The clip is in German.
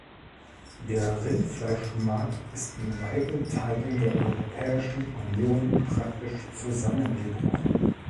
Der Rindfleischmarkt ist in weiten Teilen der Europäischen Union praktisch zusammengebrochen.